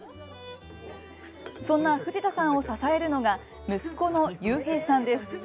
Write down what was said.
そんな藤田さんを支えるのが息子の悠平さんです。